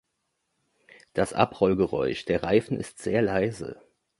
Das Abrollgeräusch der Reifen ist sehr leise.